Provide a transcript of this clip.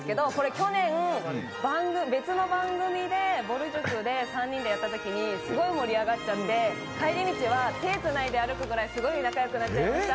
去年別の番組でぼる塾で３人でやったときにすごい盛り上がっちゃって帰り道は手をつないで歩くぐらいすごい仲良くなっちゃいました。